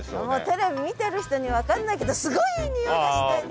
テレビ見てる人には分かんないけどすごいいい匂いがしてんの。